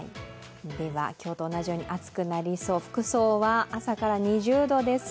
では、今日と同じように暑くなりそう、複層は朝から２０度です。